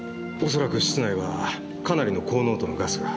恐らく室内はかなりの高濃度のガスが。